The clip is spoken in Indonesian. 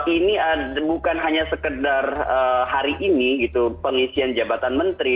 ini bukan hanya sekedar hari ini gitu pengisian jabatan menteri